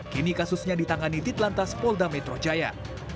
kini kasusnya ditangani ditlantas polda metro jaya